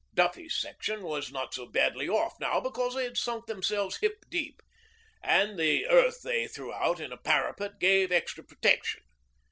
Duffy's section was not so badly off now because they had sunk themselves hip deep, and the earth they threw out in a parapet gave extra protection.